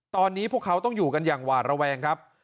ตอนนี้พวกเขาต้องอยู่กันอย่างหวาดระแวงครับ